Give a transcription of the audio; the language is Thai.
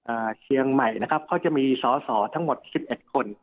เชียงใหม่นะครับเขาจะมีสอสอทั้งหมดสิบเอ็ดคน